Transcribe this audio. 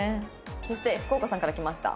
そして福岡さんから来ました。